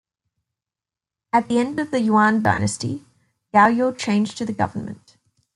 At the end of the Yuan Dynasty, Gaoyou changed to the government.